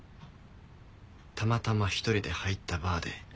たまたま１人で入ったバーで出会いました。